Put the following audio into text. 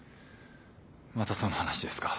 またその話ですか。